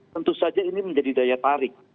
tentu saja ini menjadi daya tarik